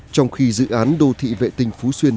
trong khi dự án đô thị vệ tinh phú xuyên